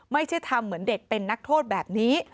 ไม่ใช่ทำเหมือนเด็กเป็นนักโทษแบบนี้